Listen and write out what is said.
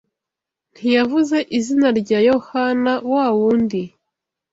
ntiyavuze izina rya Yohana wa wundi